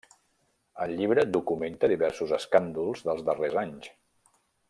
El llibre documenta diversos escàndols dels darreres anys.